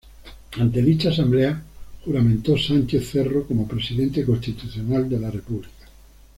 Ante dicha asamblea juramentó Sánchez Cerro como presidente constitucional de la República.